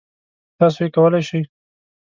تاسو یې کولی شئ!